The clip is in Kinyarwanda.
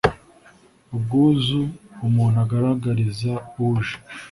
Ubwuzu umuntu agaragariza uje